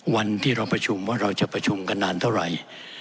วันที่เราประชุมว่าเราจะประชุมกันนานเท่าไหร่